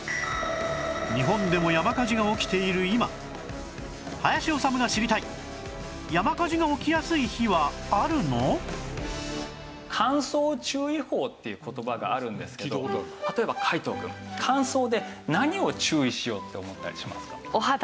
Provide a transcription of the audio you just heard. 日本でも山火事が起きている今林修が知りたい山火事が起きやすい日はあるの？っていう言葉があるんですけど例えば皆藤くん乾燥で何を注意しようって思ったりしますか？